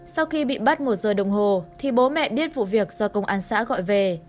sau khi bị bắt một giờ đồng hồ thì bố mẹ biết vụ việc do công an xã gọi về